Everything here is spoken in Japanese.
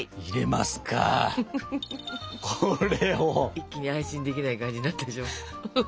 一気に安心できない感じになったでしょ。